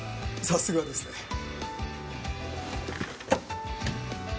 さすがですね。